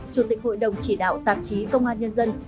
chủ tịch hội đồng chỉ đạo tạp chí công an nhân dân